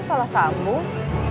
kok salah sambung